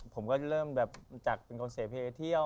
ผมก็เริ่มแบบจากเป็นคนเสเพเที่ยว